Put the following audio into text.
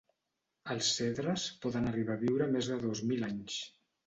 Els cedres poden arribar a viure més de dos mil anys.